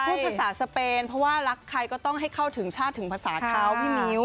พูดภาษาสเปนเพราะว่ารักใครก็ต้องให้เข้าถึงชาติถึงภาษาเท้าพี่มิ้ว